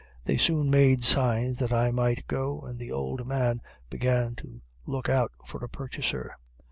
They soon made signs that I might go, and the old man began to look out for a purchaser.